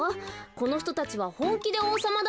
このひとたちはほんきでおうさまだと。